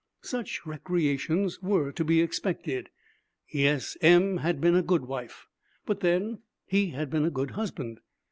Such recreations were to be expected. Yes, Em had been a good wife. But then, he had been a good husband.